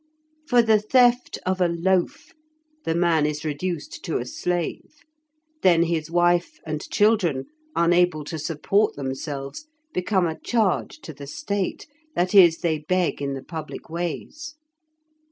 For the theft of a loaf, the man is reduced to a slave; then his wife and children, unable to support themselves, become a charge to the State, that is, they beg in the public ways.